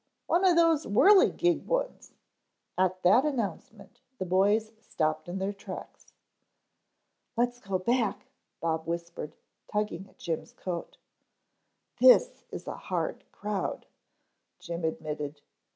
One of those whirligig ones." At that announcement the boys stopped in their tracks. "Let's go back," Bob whispered, tugging at Jim's coat. "This is a hard crowd," Jim admitted.